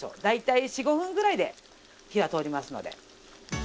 大体４５分ぐらいで火は通りますので。